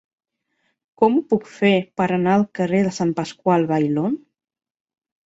Com ho puc fer per anar al carrer de Sant Pasqual Bailón?